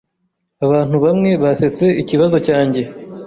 Abantu bamwe basetse ikibazo cyanjye.